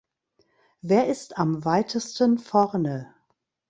Wer ist am weitesten vorne?